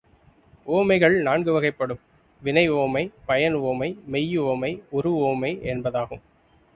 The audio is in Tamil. உவமைகள் நான்கு வகைப்படும் வினை உவமை, பயன் உவமை, மெய் உவமை, உரு உவமை என்பதாகும்.